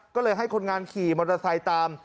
ก็เลยให้คนงานขี่มอเตอร์ไซค์ตาม